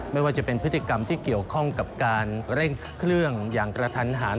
ไม่ว่าจะเป็นพฤติกรรมที่เกี่ยวข้องกับการเร่งเครื่องอย่างกระทันหัน